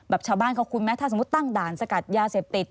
ชาวบ้านเขาคุ้นไหมถ้าสมมุติตั้งด่านสกัดยาเสพติด